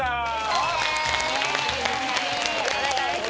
お願いします。